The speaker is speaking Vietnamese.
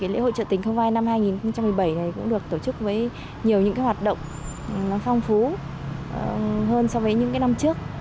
lễ hội trợ tình khâu vai năm hai nghìn một mươi bảy được tổ chức với nhiều hoạt động phong phú hơn so với những năm trước